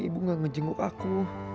ibu gak ngejenguk aku